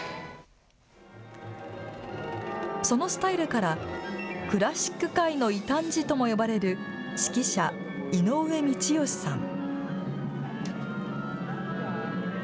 そのスタイルからクラシック界の異端児とも呼ばれる指揮者、井上道義さん。